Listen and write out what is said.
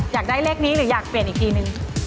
อยากได้เลขนี้หรืออยากเปลี่ยนอีกทีนึง